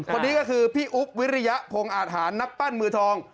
คนนี้ก็คือพี่อุ๊บวิริยพงศ์อาทหารนักปั้นมือทอง